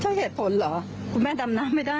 ใช่เหตุผลเหรอคุณแม่ดำน้ำไม่ได้